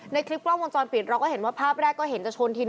ในคลิปกล้องวงจรปิดเราก็เห็นว่าภาพแรกก็เห็นจะชนทีน